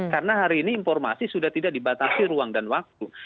karena hari ini informasi sudah tidak dibatasi ruang dan waktu